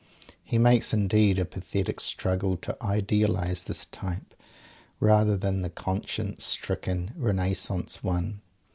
_ He makes, indeed, a pathetic struggle to idealize this type, rather than the "conscience stricken" Renaissance one.